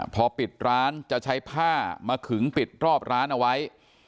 พอปิดร้านจะใช้ผ้ามาขึงปิดรอบร้านเอาไว้